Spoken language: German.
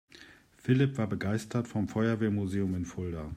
Philipp war begeistert vom Feuerwehrmuseum in Fulda.